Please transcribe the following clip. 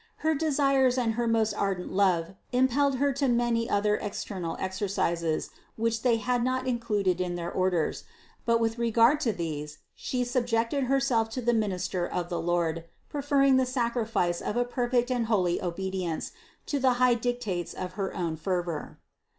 Her de sires and her most ardent love impelled Her to many other external exercises, which they had not included in their orders; but with regard to these She subjected Herself to the minister of the Lord, preferring the sacrifice of a perfect and holy obedience to the high dictates of her own fervor.